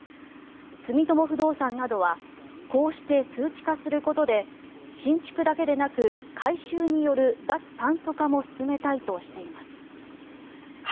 住友不動産などはこうして数値化することで新築だけでなく改修による脱炭素化も進めたいとしています。